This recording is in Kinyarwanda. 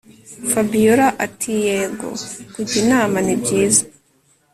Fabiora atiyego kujya inama nibyiza